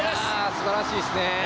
すばらしいですね。